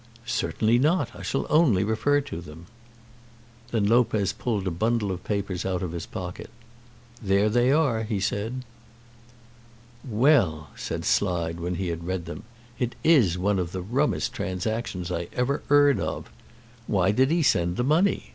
"Certainly not. I shall only refer to them." Then Lopez pulled a bundle of papers out of his pocket. "There they are," he said. "Well," said Slide, when he had read them; "it is one of the rummest transactions I ever 'eard of. Why did 'e send the money?